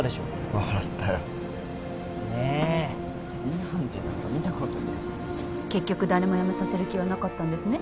笑ったよねえＥ判定なんか見たことねえよ結局誰もやめさせる気はなかったんですね